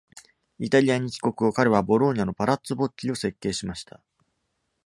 イタリアに帰国後、彼はボローニャの Palazzo Bocchi を設計しました。